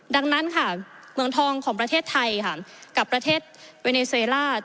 ดังนั้นค่ะเมืองทองของประเทศไทยค่ะกับประเทศเวเนเซล่า